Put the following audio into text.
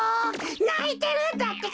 ないてるんだってか！